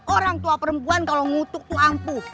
orang tua perempuan kalau ngutuk tuh ampuh